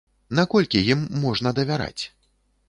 Наколькі ім можна давяраць?